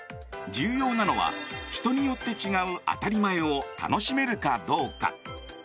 重要なのは人によって違う当たり前を楽しめるかどうか。